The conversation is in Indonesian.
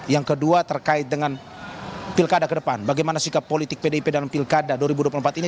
yang kedua terkait dengan pilkada ke depan bagaimana sikap politik pdip dalam pilkada dua ribu dua puluh empat ini